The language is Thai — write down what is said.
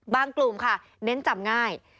กลุ่มค่ะเน้นจำง่าย